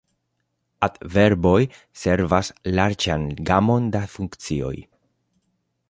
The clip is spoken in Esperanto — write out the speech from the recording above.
Adverboj servas larĝan gamon da funkcioj.